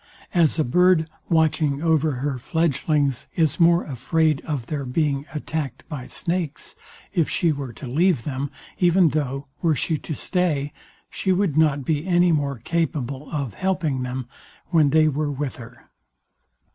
[As a bird, watching over her fledgelings, is more afraid of their being attacked by snakes if she were to leave them even though, were she to stay, she would not be any more capable of helping them, when they were with her.